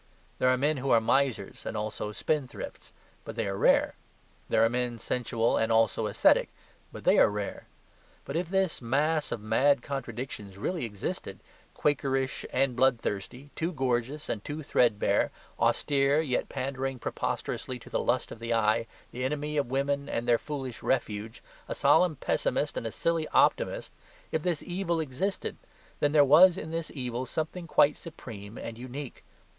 There are men who are misers, and also spendthrifts; but they are rare. There are men sensual and also ascetic; but they are rare. But if this mass of mad contradictions really existed, quakerish and bloodthirsty, too gorgeous and too thread bare, austere, yet pandering preposterously to the lust of the eye, the enemy of women and their foolish refuge, a solemn pessimist and a silly optimist, if this evil existed, then there was in this evil something quite supreme and unique.